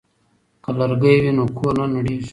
که لرګی وي نو کور نه نړیږي.